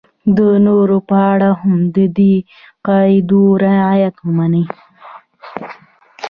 د نورو په اړه هم د دې قاعدو رعایت ومني.